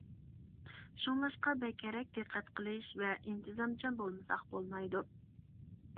شۇڭلاشقا بەكرەك دىققەت قىلىش ۋە ئىنتىزامچان بولمىساق بولمايدۇ.